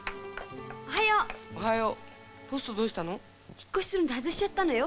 引っ越しするんで外しちゃったのよ。